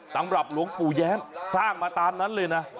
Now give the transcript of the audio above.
สำหรับหลวงปู่แย้มสร้างมาตามนั้นเลยนะ